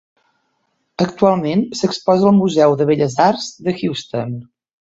Actualment s'exposa al Museu de Belles Arts de Houston.